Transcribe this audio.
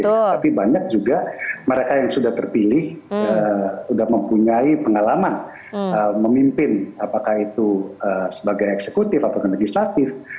tapi banyak juga mereka yang sudah terpilih sudah mempunyai pengalaman memimpin apakah itu sebagai eksekutif apakah legislatif